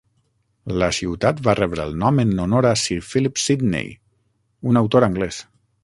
La ciutat va rebre el nom en honor a Sir Philip Sidney, un autor anglès.